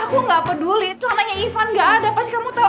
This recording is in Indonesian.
aku gak peduli celananya ivan gak ada pasti kamu tau aja don